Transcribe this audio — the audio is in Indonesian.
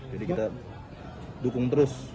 jadi kita dukung terus